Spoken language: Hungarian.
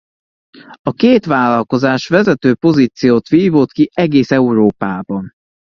A két vállalkozás vezető pozíciót vívott ki egész Európában.